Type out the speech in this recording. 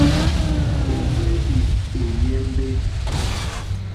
Ó hwélì èyémbé.